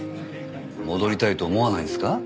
戻りたいと思わないんですか？